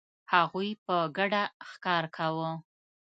هغوی په ګډه ښکار کاوه.